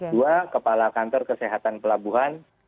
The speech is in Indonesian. dua kepala kantor kesehatan pelabuhan